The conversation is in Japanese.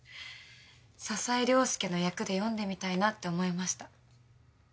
笹井亮介の訳で読んでみたいなって思いました。